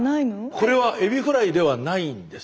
これはエビフライではないんです。